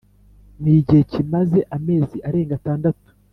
n igihe kimaze amezi arenga atandatu